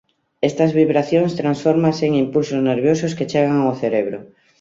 Estas vibracións transfórmanse en impulsos nerviosos que chegan ó cerebro.